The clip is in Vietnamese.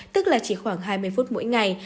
tức là chỉ khoảng hai mươi phút mỗi ngày